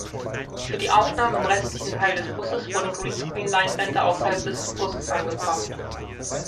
Für die Aufnahmen im restlichen Teil des Busses wurden Greenscreen-Leinwände außerhalb des Busses angebracht.